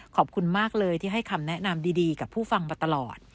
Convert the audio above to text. ขอบคุณมากเลยที่ให้คำแนะนำดีกับผู้ฟังมาตลอด